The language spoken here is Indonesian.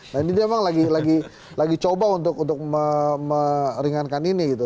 nah ini dia emang lagi coba untuk meringankan ini gitu